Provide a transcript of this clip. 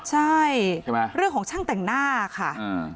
ใช่เรื่องของช่างแต่งหน้าค่ะ